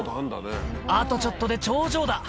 あとちょっとで頂上だ。